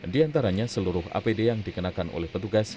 di antaranya seluruh apd yang dikenakan oleh petugas